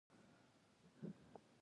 د تبۍ جواری مو ډېر وخوړ او خوند یې وکړ.